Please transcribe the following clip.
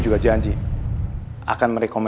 ibu nanggir aja kamu lessons yuk